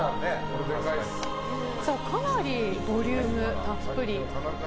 かなりボリュームたっぷり。